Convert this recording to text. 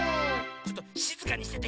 ちょっとしずかにしてて。